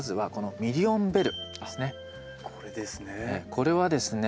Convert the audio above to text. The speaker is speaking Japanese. これはですね